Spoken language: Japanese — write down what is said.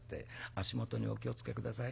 足元にお気を付け下さい。